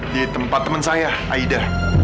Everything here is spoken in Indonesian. di tempat teman saya aida